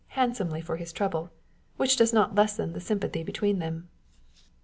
handsomely for his trouble, which does not lessen the sympathy between them.